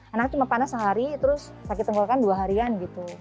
anak cuma panas sehari terus sakit tenggolkan dua harian gitu